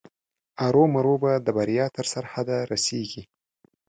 ارومرو به د بریا تر سرحده رسېږي.